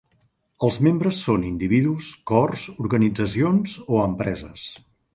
Els membres són individus, cors, organitzacions o empreses.